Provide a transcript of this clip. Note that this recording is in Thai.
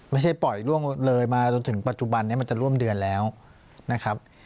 ไม่ใช่ปล่อยล่วงเลยมาจนถึงปัจจุบันนี้มันจะร่วมเดือนแล้วนะครับ